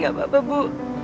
gak apa apa ibu